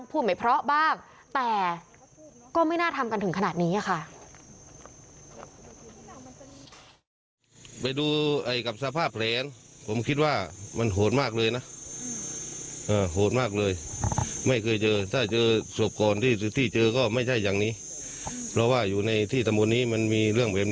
พูดไม่เพราะบ้างแต่ก็ไม่น่าทำกันถึงขนาดนี้ค่ะ